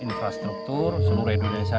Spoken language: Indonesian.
infrastruktur seluruh indonesia